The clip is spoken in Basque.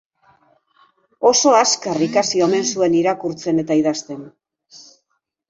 Oso azkar ikasi omen zuen irakurtzen eta idazten.